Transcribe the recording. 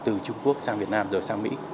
từ trung quốc sang việt nam rồi sang mỹ